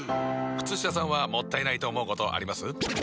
靴下さんはもったいないと思うことあります？